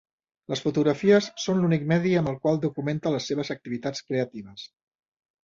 Les fotografies són l’únic medi amb el qual documenta les seves activitats creatives.